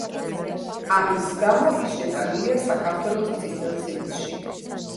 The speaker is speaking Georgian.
ამის გამო ის შეტანილია საქართველოს „წითელ წიგნში“.